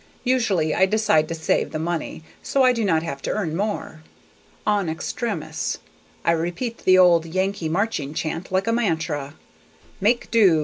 Usually I decide to save the money so I do not have to earn more. En extremis, I repeat the old Yankee marching chant like a mantra: Make do!